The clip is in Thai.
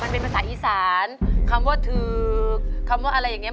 มันเป็นภาษาอีสานคำว่าถือคำว่าอะไรอย่างเงี้